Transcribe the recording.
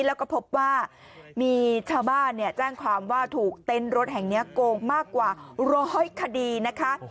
แล้วก็พบว่ามีชาวบ้านแจ้งความว่าถูกเต้นรถแห่งนี้โกงมากกว่าร้อยคดีนะคะ